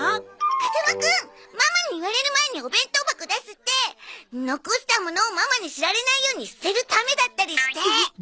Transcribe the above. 風間くんママに言われる前にお弁当箱出すって残したものをママに知られないように捨てるためだったりして。